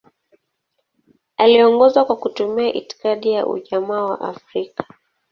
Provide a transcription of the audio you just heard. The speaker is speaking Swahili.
Aliongoza kwa kutumia itikadi ya Ujamaa wa Afrika.